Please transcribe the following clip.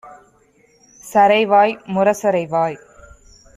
சறைவாய் முரசறைவாய்!